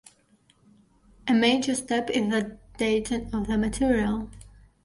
A major step is the dating of the material.